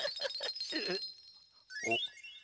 おっ！